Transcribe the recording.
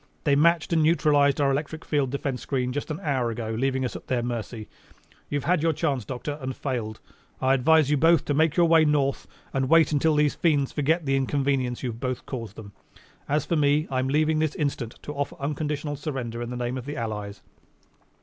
They matched and neutralized our electric field defense screen just an hour ago, leaving us at their mercy. You've had your chance, Doctor, and failed. I advise you both to make your way north and wait until these fiends forget the inconvenience you both have caused them. As for me, I'm leaving this instant to offer unconditional surrender in the name of all the allies."